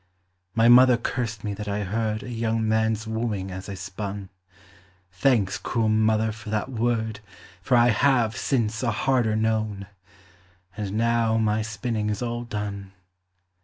My mother cursed me that I heard A young man's wooing as I spun: Thanks, cruel mother, for that word, For I have, since, a harder known! And now my spinning is all done.